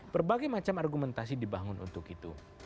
berbagai macam argumentasi dibangun untuk itu